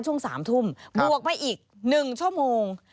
ช่วง๓ทุ่มบวกไปอีก๑ชั่วโมง